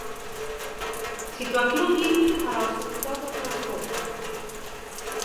Situación límite para o sector do transporte.